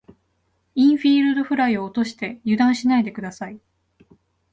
インフィールドフライを落として油断しないで下さい。